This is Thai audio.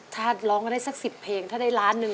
ถ้าร้องกันได้สัก๑๐เพลงถ้าได้ล้านหนึ่ง